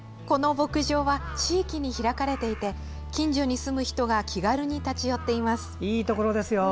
この牧場は地域に開かれていて近所に住む人が気軽に立ち寄っています。